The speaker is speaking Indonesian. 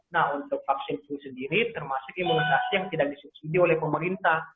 nah untuk vaksin flu sendiri termasuk imunisasi yang tidak disubsidi oleh pemerintah